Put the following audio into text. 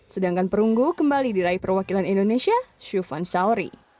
sedangkan perunggu kembali diraih perwakilan indonesia syufan sauri